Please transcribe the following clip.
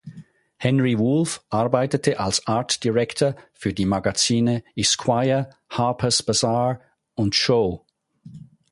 Henry Wolf arbeitete als Art Director für die Magazine Esquire, Harper’s Bazaar und "Show".